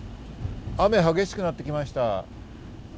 雨が激しくなってきました。